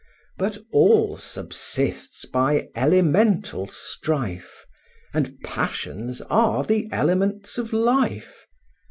But all subsists by elemental strife; And passions are the elements of life.